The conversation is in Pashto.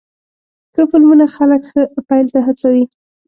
ښه فلمونه خلک ښه پیل ته هڅوې.